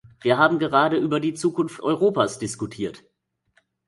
Wir haben gerade über die Zukunft Europas diskutiert.